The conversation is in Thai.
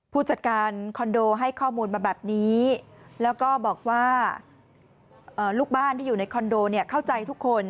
ผู้จัดการคอนโดให้ข้อมูลมาแบบนี้แล้วก็บอกว่าลูกบ้านที่อยู่ในคอนโดเนี่ยเข้าใจทุกคน